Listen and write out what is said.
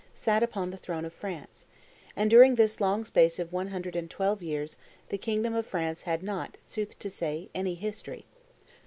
sat upon the throne of France; and during this long space of one hundred and twelve years the kingdom of France had not, sooth to say, any history.